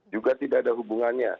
juga tidak ada hubungan